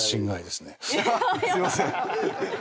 あっすいません。